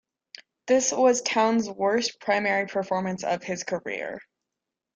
This was Towns' worst primary performance of his career.